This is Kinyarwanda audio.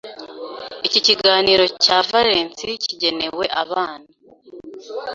Iki kiganiro cya Valency kigenewe abana.